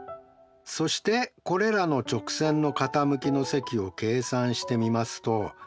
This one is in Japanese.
そしてこれらの直線の傾きの積を計算してみますと。